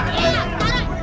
udah jauh jauh